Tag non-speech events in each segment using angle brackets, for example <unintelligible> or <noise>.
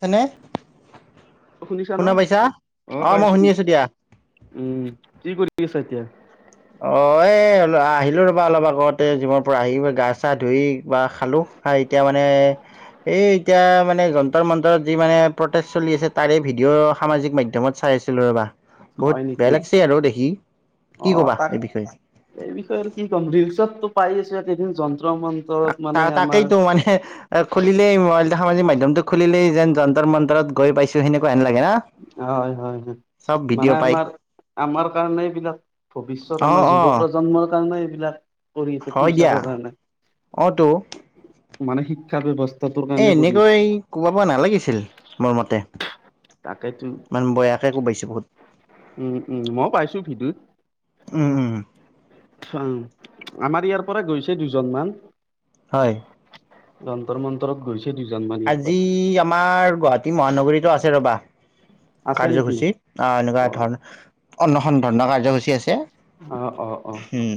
হয়নে, শুনিছা ন? শুনা পাইছা, অ', মই শুনি আছো দিয়া। উম', কি কৰি আছা এতিয়া? অহ' এ আহিলো ৰবা অলপ আগতে জিমৰ পৰা, আহি গা-চা ধুই কিবা খালো। হয়, এতিয়া মানে এই এতিয়া মানে যন্তত মন্তৰত যি মানে প্ৰটেষ্ট চলি আছে তাৰে ভিডিঅ' সামাজিক মাধ্যমত চাই আছোঁ। ৰ'বা বহুত হয় বেয়া নেকি? লাগিছে আৰু দেখি, কি অ' ক'বা তাক এই বিষয়ে। এই বিষয়ে কি ক'ম, ৰিলচতো পাই আছোঁ এইকেইদিন যন্ত্ৰ মন্ত তা তাকেইতো মানে' অ খুলিলেই মোবাইলটো সামাজিক মাধ্যমটো খুলিলেই যেন যন্তৰ মন্তৰত গৈ পাইছোঁ সেনেকুৱাে হেন লাগে না? উম হয় হয় হয়। চ'ব মানে ভিডিঅ' পাই আমাৰ আমাৰ কাৰণে এইবিলাক ভৱিষ্যত অ আমাৰ অ যুৱ প্ৰজন্মৰ কাৰণে এইবিলাক কৰি আছে হয় দিয়া ফিউচাৰৰ কাৰণে, অ তো মানে শিক্ষা ব্যৱস এ এনেকৈ কোবাব নালাগিছিল, মোৰ মতে। তাকেতো। মান বয়াকে কোবাইছে বহুত। উ, উ, মইও পাইছো ভিডুত। উম উম আমাৰ ইয়াৰ পৰা গৈছে দুইজনমান। হয়। যন্তৰ মন্তৰত গৈছে দুইজন। আজি আমাৰ গুৱাহা ই মহানগৰীতো আছে ৰ'বা, আছে নেকি? কাৰ্যসূচী, অ' এনেকুৱা অ', ধৰণ অনুসন্ধনৰ কাৰ্যসূচী আছে। অ', অ', অ', উম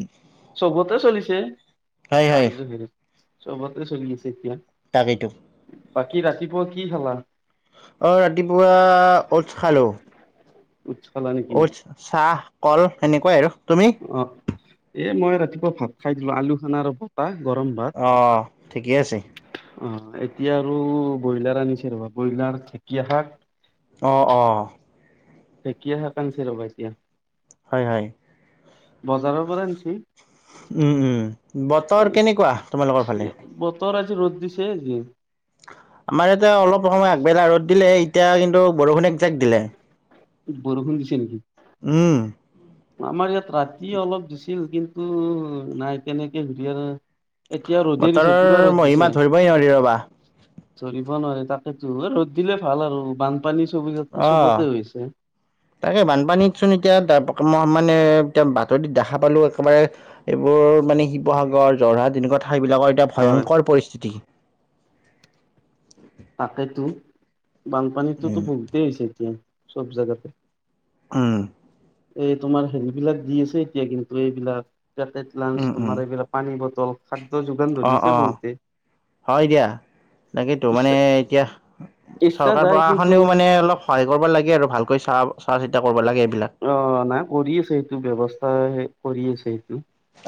চবতে চলিছে হয় হয় কাৰ্যখিনি। চবতে চলি আছে এতিয়া। তাকেইটো। বাকি ৰাতিপুৱা কি খালা? অ' ৰাতিপুৱা, অ'টছ খালোঁ। ওটছ খালা নেকি? চাহ, কল সেনেকৈ আৰু, তুমি? অ' এ, মই ৰাতিপুৱা ভাত খাই দিলো আলু খানা আৰু ভাত। পাই গৰম ভাত। অ ঠিকে আছে অ', এতিয়া আৰু ব্ৰইলাৰ আনিছে ৰ'বা ব্ৰইলাৰ, ঢেঁকীয়া শাক। অ' অ'। ঢেঁকীয়া শাক আনছে ৰ'বা এতিয়া। হয়, হয়। বজাৰৰ পৰা আনছি। উ উ বতৰ কেনেকুৱা, তোমালোকৰ ফালে? বতৰ আজি ৰ'দ দিছে আজি। আমাৰ এতিয়া অলপ সময় আগবেলা ৰ'দ দিলে, এতিয়া কিন্তু বৰষুণ একজাক দিলে। বৰষুণ দিছে নিকি? উম। আমাৰ ইয়াত ৰাতি অলপ দিছিল, কিন্তু নাই তেনেকে দিয়াৰ এতিয়া ৰ'দে বতৰৰ দিছে, পুৰা ৰ'দ মহিমা দিছে। ধৰিবই নোৱাৰি ৰ'বা। ধৰিব নোৱাৰি তাকেতো, এ ৰ'দ দিলে ভাল আৰু বানপানী চবিগাত অ', চবতে হৈছে। তাকে বানপানীতচোন এতিয়া <unintelligible> মই মানে এতিয়া বাতৰিত দেখা পালোঁ একেবাৰে এইবোৰ মানে শিৱসাগৰ, যৰহাট তেনেকুৱা ঠাইবিলাকৰ এতিয়া হয়। ভয়ংকৰ পৰিস্থিতি। তাকেতো, বানপানীটোতো উম, বহুতেই হৈছে এতিয়া, চব জেগাতে। উম। এই তোমাৰ হেৰিবিলাক দি আছে এতিয়া কিন্তু এইবিলাক, পেকেট লাঞ্চ উম, উম, তোমাৰ এইবিলাক পানী বটল, খাদ্য যোগান ধৰি অ', আছে অ', বহুতে। হয় দিয়া, তাকেইতো মানে ইচ্ছা এতিয়া, ইচ্ছা চৰকাৰ যায় কিন্তু প্ৰশাসনেও মানে অলপ সহায় কৰিব লাগে আৰু ভালকৈ চা-চোৱা চিতা কৰিব লাগে এইবিলাক। অ না কৰি আছে সেইটো ব্যৱস্থা হে কৰি আছে সেইটো।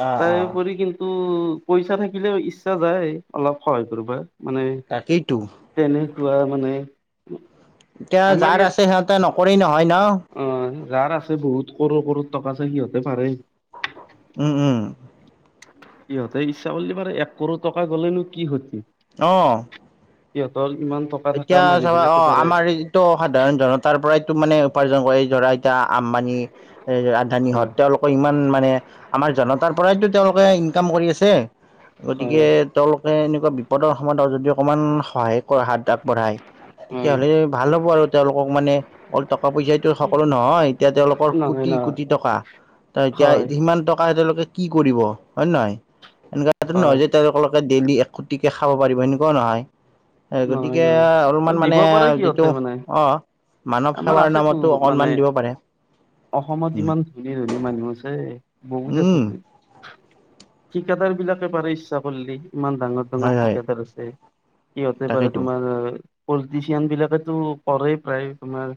অ', অ', তাৰউপৰি কিন উম পইচা থাকিলেও ইচ্ছা যায় অলপ সহায় কৰিবা, মানে তাকেইতো। তেনেকুৱা মানে এতিয়া আমাৰ যাৰ ইয়াত আছে সিহঁতে নকৰেই নহয় ন। অ যাৰ আছে বহুত কড়ৰ-কড়ৰ টকা আছে সিহঁতে পাৰে। উম উম। সিহঁতে ইচ্ছা কৰলে পাৰে, এক কড় টকা গ'লেনো কি ক্ষতি। অ'। সিহঁতৰ কিমান ট এতিয়া চাবা অ আমাৰ ই ত সাধাৰণ জনতাৰ পৰাইতো মানে উপাৰ্জন কৰে, এই ধৰা এতিয়া আম্বানি এ নিহঁত হয় তেওঁলোকে ইমান মানে আমাৰ জনতাৰ পৰাইতো তেওঁলোকে ইনকাম কৰি আছে। হয় গতিকে তেওঁলোকে এনেকুৱা বিপদৰ সময়ত আৰু যদি অকমান সহায়কৰ হাত আগবঢ়াই হয় তেতিয়াহ'লে ভাল হ'ব আৰু তেওঁলোকক মানে অলপ টকা পইচা সকলো নহয়, এতিয়া তেওঁলোকৰ নহয় কোটি নহয় কোটি টকা। ত এতিয়া হয় সিমান টকা তেওঁলোকে কি কৰিব হয় নে নহয়? এনেকুৱা নহয় হয় যে তেওঁলোকৰ ডেইলি এক কোটিকে খাব পাৰিব এনেকুৱা নহয়। নহয় গতিকে অলপমান নহয় দিব মানে পাৰে সিহঁতে যিটো মানে অ মানৱ আমাৰ সেৱাৰ আছেতো নামতো মানে অকনমান দিব পাৰে। অসমত উম ইমান ধনী ধনী মানুহ আছে বহুত আছে। উম ঠিকাদাৰ বিলাকে পাৰে ইচ্ছা কৰলি ইমান ডাঙৰ হয় ডাঙৰ হয় ঠিকাদাৰ আছে। সিহঁতে পাৰে তাকেইতো তোমাৰ পলিটিচিয়ান বিলাকেতো কৰেই প্ৰায় তোমাৰ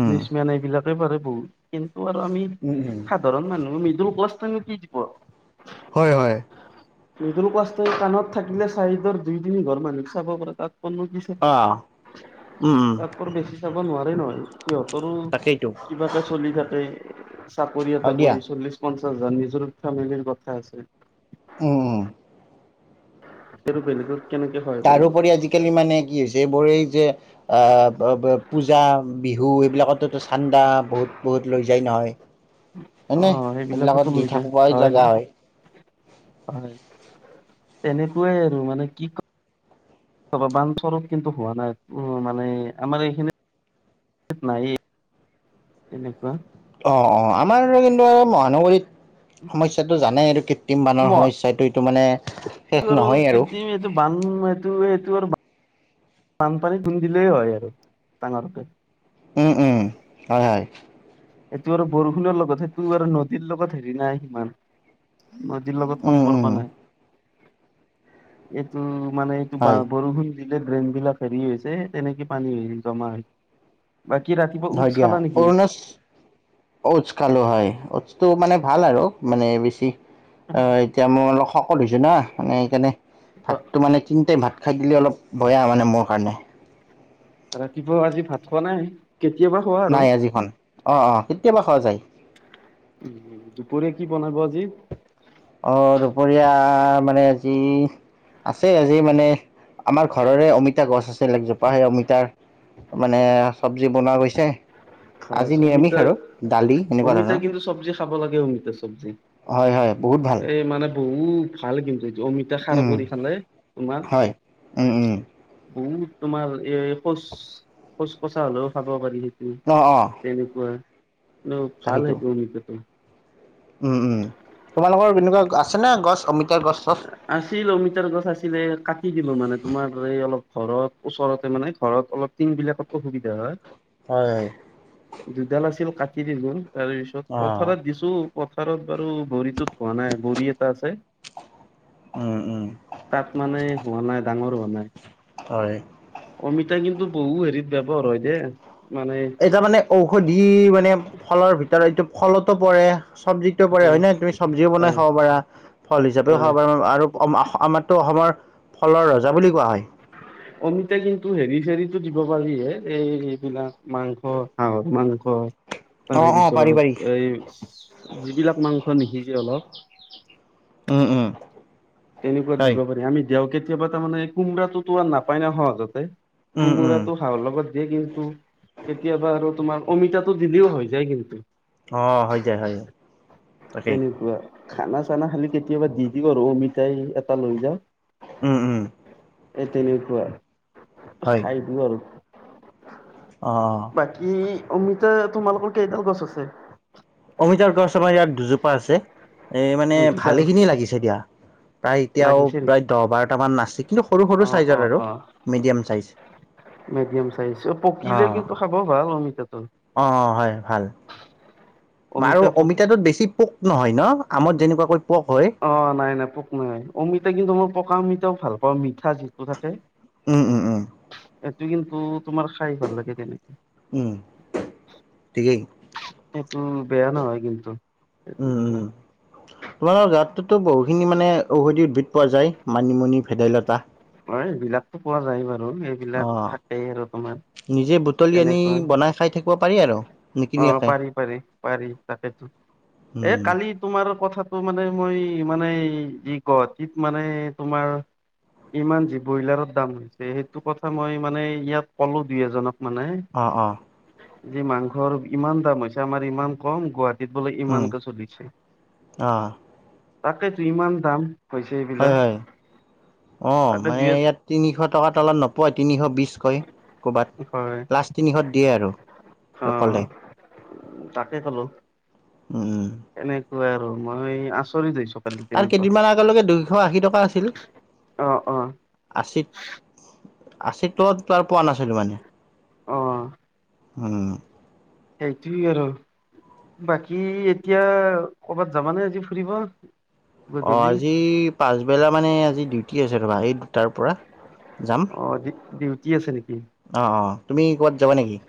উম মেন এইবিলাকে পাৰিব কিন্তু আৰু আমি উম উম। সাধাৰণ মানুহ মিদুল ক্লাষ্টে ন কি দিব। হয় হয়। মিদল কাষ্ট কাণত থাকিলে চাহিদৰ দুই তিনি ঘৰ মানুহক চাব পাৰে তাত অঁ উম উম <unintelligible> তাৰপৰ বেছি চাব নোৱাৰে নহয়, সিহঁতৰো তাকেইতো কিবা কে চলি থাকে চাকৰি হয় এটা দিয়া কৰি চল্লিশ-পঞ্চাশ হাজাৰ নিজৰ ফেমিলিৰ কথা আছে। উম। বেলেগৰ তাৰোপৰি আজিকালি মানে কি হৈছে, মই যে আহ পূজা, বিহু এইবিলাকতো চান্দা বহুত বহুত লৈ যায় নহয়। অ হয়নে সেইবিলাকতো সেইবিলাকত দি লৈ যায় থাকপাই লাগা হয়। হয় তেনেকুৱাই আৰু মানে কি ক বান স্বৰূপ কিন্তু হোৱা নাই উ মানে আমাৰ এইখিনি নাই তেনেকুৱা অ অ আমাৰ আৰু কিন্তু মহানগৰীত সমস্যাটো জানেই এইটো কৃত্ৰিম বানৰ সমস্যাটো এইটো মানে শেষ এইটো আৰু নহয় কৃত্ৰিম এইটো বান এইটো এইটো আৰু বানপানী বৰষুণ দিলেই হয় আৰু ডাঙৰকে উম! উম! হয় হয় এইটো আৰু বৰষুণৰ লগত সেইটো আৰু নদীৰ লগত হেৰি নাই সিমান। নদীৰ লগত উম উম সম্পৰ্ক নাই, এইটো মানে হয় বৰষুণ দিলে ড্ৰেইন বিলাক হেৰি হৈছে তেনেকে পানী জমা হয়। বাকী ৰাতিপুৱা উচ খালা নেকি? উছ খালোঁ হয় উছটো মানে ভাল আৰু মানে বেছি এতিয়া মই অলপ শকত হৈছো না মানে সেইকাৰণে ভাতটো মানে তিনি টাইম ভাত খাই দিলে অলপ বয়া মানে মোৰ কাৰণে। ৰাতিপুৱাও আজি ভাত খোৱা নাই? কেতিয়াবা খোৱা আৰু। নাই আজি খাও নাই অ অ কেতিয়াবা খাওআ জায়। দুপৰীয়া কি বনাব আজি? অ দুপৰীয়া মানে আজি আছে আজি মানে আমাৰ ঘৰৰে অমিতা গছ আছে এজোপা সেই অমিতাৰ মানে চব্জি বনোৱা গৈছে খাৱাজ আজি নিৰামিষ অমিতা আৰু দালি এনেকুৱা অমিতা ধৰণৰ। কিন্তু চব্জি খাব লাগে অমিতা চব্জি, হয় হয় বহুত ভাল এই মানে বহুত ভাল কিন্তু এইটো অমিতা। অমিতা খাৰ উম কৰি খালে তোমাৰ হয় উম উম বহুত তোমাৰ এই শৌচ শৌচকচা হলেও খাব পাৰি সেইটো। অ অ। তেনেকুৱা ভাল তাকেইতো সেইটো অমিতা। উম উম তোমালোকৰ তেনেকুৱা আছে নে গছ অমিতা গছ- চছ। আছিল অমিতাৰ গছ আছিলে কাটি দিলোঁ মানে তোমাৰ এই অলপ ঘৰত ওচৰতে মানে ঘৰত অলপ টিং বিলাকত অসুবিধা হয়। হয়। দুডাল আছিল কাটি দিলোঁ তাৰ পিছত অ পথাৰত দিছোঁ। পথাৰত বাৰু ভৰিতোত থোৱা নাই ভৰি এটা আছে। উম উম তাত মানে হোৱা নাই ডাঙৰ হোৱা নাই। হয় অমিতা কিন্তু বহু হেৰিত ব্যৱহাৰ হয় দে মানে এতিয়া মানে ঔষধি মানে ফলৰ ভিতৰত এইটো ফলতো পৰে চব্জি চব্জিটো পৰে হয় নে, তুমি চব্জিও বনাই হয় খাব পাৰা ফল হিচাপেও হয় খাব পাৰা আৰু আমাৰ টো অসমৰ ফলৰ ৰজা বুলি কোৱা হয়। অমিতা কিন্তু হেৰি চেৰিতো দিব পাৰি হে এই এইবিলাক মাংস, হাহৰ মাংস। অ তাৰে অ পাৰি পাৰি পিছত এই যিবিলাক মাংস নিসিজে অলপ উম উম তেনেকুৱাত হয় দিব পাৰি আমি দিও কেতিয়াবা তাৰমানে কোমৰাটো আৰু নাপায় নাই সহজতে উম উম কোমোৰা হাঁহৰ লগত দিয়ে কিন্তু কেতিয়াবা আৰু তোমাৰ অমিতাটো দিলেও হৈ যায় কিন্তু। অ হয় যায় হয় যায় তাকেই। তেনেকুৱা খানা চানা খালি কেতিয়াবা দি দিওঁ আৰু অমিতাই এটা লৈ যাওঁ। উম উম হে তেনেকুৱা হয় খাই দিও আৰু। অ। বাকি অমিতা তোমালোকৰ কেইডাল গছ আছে? অমিতাৰ গছ আমাৰ ইয়াত দুজোপা আছে, এই মানে দুইডাল ভালেখিনি লাগিছে দিয়া। প্ৰায় এতিয়াও লাগিছে নেকি প্ৰায় দহ বাৰটামান আছে কিন্তু সৰু অ সৰু অ ছাইজৰ আৰু। অ মিডিয়াম ছাইজ। মিডিয়াম ছাইজ অহ, পকিলে অঁ কিন্তু খাব ভাল অমিতাটো। অঁ অঁ হয় ভাল আৰু অমিতা পক অমিতাটোত বেছি পোক নহয় ন' আমাৰ যেনেকুৱাকৈ পোক হয়। অহ', নাই, নাই পোক নাই। অমিতা কিন্তু মই পকা অমিতাও ভাল পাওঁ মিঠা যিটো থাকে। উম', উম'। উম এইটো কিন্তু তোমাৰ খায় ভাল লাগে তেনেকে। উম, ঠিকেই। এইটো বেয়া নহয় কিন্তু তেনেকুৱা। তোমাৰ গাঁৱটোতো বহুখিনি মানে ঔষধি উদ্ভিদ পোৱা যায় মানিমুনি ভেদাইলতা। অহ, এইবিলাকতো পোৱা যায় বাৰু এইবিলাক অঁ থাকেই আৰু তোমাৰ। নিজে ব বুটলি আনি তেনেকুৱা বনাই খায় থাকিব পাৰি আৰু অ নিকিনাকে। পাৰি পাৰি পাৰি তাকেতো এ কালি তোমাৰ কথাটো মানে মই মানে যি গুৱাহাটীত মানে তোমাৰ ইমান যি ব্ৰইলাৰৰ দাম হৈছে, সেইটো কথা মই মানে ইয়াত ক'লো দুই এজনক মানে। অহ', অহ'। যি মাংসৰ ইমান দাম হৈছে, আমাৰ ইমান কম। গুৱাহাটীত গুৱাহাটীত বোলে উম ইমানকে চলিছে, অঁ তাকেতো ইমান দাম। হৈছে হয়, এইবিলাক হয়। অহ, তাতে মানে দুই ইয়াত তিনিশ টকাৰ তলত নোপোৱা তিনিশ বিছ কৈ ক'ৰবাত, হয় লাষ্ট তিনিশত দিয়ে আৰু অ ত' ক'লে। তাকে ক'লো উম, এনেকুৱা আৰু মই আচৰিত হৈছো। কালি তাৰ তেনেকুৱা কেইদিনমান আগলৈকে দুশ আশি টকা আছিল। অ অ আশিত, আশিৰ তলত আৰু পোৱা নাছিলোঁ মানে। অ হম। সেইটোই আৰু। বাকী এতিয়া কৰ'বাত যাবানে আজি ফুৰিব? অহ, গধূলি আজি পাচবেলা মানে আজি ডিউটি আছে ৰ'বা এই দুটাৰ পৰা যাম। অহ, ডিউ-ডিউটি আছে নেকি? অহ', অহ' তুমি ক'ৰবাত যাবা নেকি?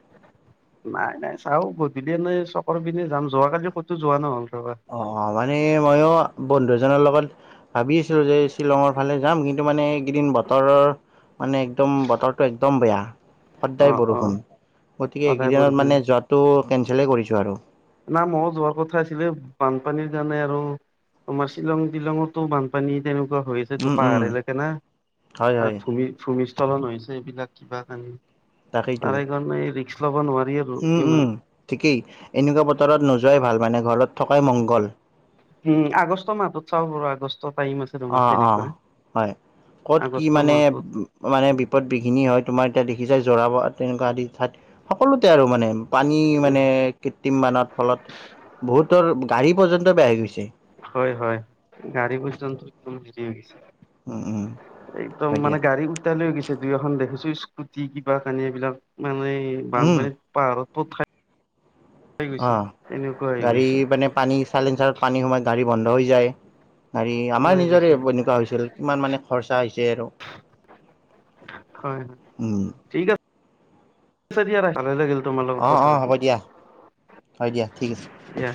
নাই, নাই। চাওঁ গধূলি এনেই চকৰ পিনে যাম যোৱাকালি ক'তো যোৱা নহ'ল ৰবা। অহ', অহ' মানে মইয়ো বন্ধু এজনৰ লগত ভাবি আছিলো যে, শ্বিলংৰ ফালে যাম কিন্তু মানে এইকেইদিন বতৰৰ মানে একদম, বতৰটো একদম বেয়া। অ সদায় অ বৰষুণ গতিকে সদায় এইকেইদিনত বৰষুণ মানে যোৱাটো কেনচেলে কৰিছো আৰু। না মইয়ো যোৱাৰ কথা আছিলে বানপানীৰ কাৰণে আৰু। আমাৰ শ্বিলং টিলংতো বানপানী তেনেকুৱা হৈ তাতে উম উম পাহাৰলৈকে না হয় হয় তাত ভূমি-ভূমিস্খলন হৈছে এইবিলাক কিবা কানি। তাকেইতো তাৰে কাৰণে এই ৰিক্স ল'ব নোৱাৰি আৰু। উম', ইমান উম' ঠিকেই এনেকুৱা বতৰত নোযোৱাই ভাল, মানে ঘৰত থকাই মংগল। উম, আগষ্ট মাহতটোত চাওঁ বাৰু আগষ্টত টাইম আছে। তোমাৰ অহ', অহ', তেনেকুৱা হয়। ক'ত কি আগষ্ট মানে মাহটোত মানে বিপদ বিঘিনি হয় তোমাৰ এতিয়া দেখিছাই যোৰাবাট তেনেকুৱা আদি ঠাইত সকলোতে আৰু মানে। পানী মানে কৃত্ৰিম বানৰ ফলত বহুতৰ গাড়ী পৰ্যন্ত বেয়া হৈ গৈছে। হয় হয় গাড়ী পৰ্যন্ত হেৰি হৈ গৈছে। উম উম এইদম হয় মানে দিয়া গাড়ি তালৈ গৈছে দুই এখন দেখিছো স্কুটি কিবা কানি এইবিলাক মানে উম বানপানীত পাহাৰত পুত খাই অঁ তেনেকুৱা হৈ গাড়ী গৈছে মানে পানী চাইলেঞ্চাৰত পানী সোমাই গাড়ী বন্ধ হৈ যায়। গাড়ি আমাৰ সোমাই নিজৰে গৈছে হয় এইবোৰ এনেকুৱা হৈছিল কিমান মানে খৰচা হৈছে আৰু। হয় হয়। চেদিয়া নাই, ভালে লাগিল তোমাৰ লগত অ', কথা অ', হ'ব দিয়া হয় পাতি দিয়া ঠিক আছে। দিয়া।